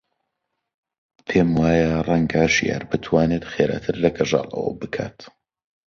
پێم وایە ڕەنگە ژیار بتوانێت خێراتر لە کەژاڵ ئەوە بکات.